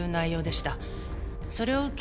それを受け